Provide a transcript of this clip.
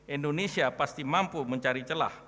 indonesia pasti mampu mencari celah